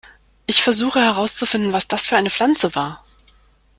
Ich versuche, herauszufinden, was das für eine Pflanze war.